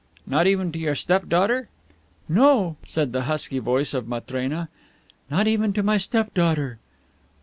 "Not even to your step daughter?" "No," said the husky voice of Matrena, "not even to my step daughter."